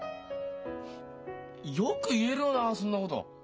よく言えるよなそんなこと。